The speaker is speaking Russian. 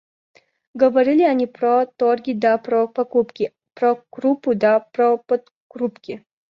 Говорили они про торги да про покупки, про крупу да про подкрупки.